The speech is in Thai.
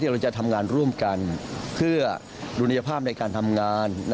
เราจะทำงานร่วมกันเพื่อดุลยภาพในการทำงาน